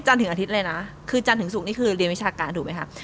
ถึงอาทิตย์เลยนะคือจันทร์ถึงศุกร์นี่คือเรียนวิชาการถูกไหมคะ